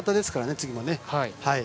次もね。